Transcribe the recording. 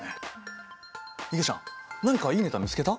いげちゃん何かいいネタ見つけた？